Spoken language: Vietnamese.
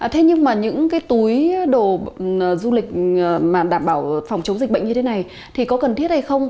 thế nhưng mà những cái túi đồ du lịch mà đảm bảo phòng chống dịch bệnh như thế này thì có cần thiết hay không